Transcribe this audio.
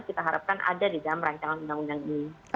kita harapkan ada di dalam rancangan undang undang ini